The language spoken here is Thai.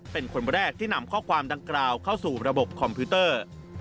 เป็นคนแรกที่นำข้อความดังกล่าวเข้าสู่ระบบคอมพิวเตอร์